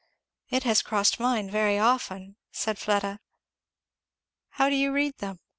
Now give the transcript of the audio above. "It has crossed mine very often," said Fleda. "How do you read them?